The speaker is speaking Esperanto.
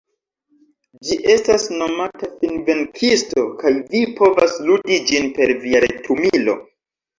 Ĝi estas nomata Finvenkisto kaj vi povas ludi ĝin per via retumilo.